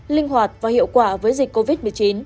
linh hoạt và hiệu quả với dịch covid một mươi chín